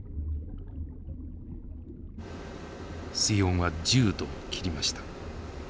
水温は１０度を切りました。